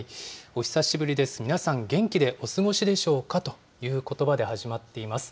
お久しぶりです、皆さん元気でお過ごしでしょうかということばで始まっています。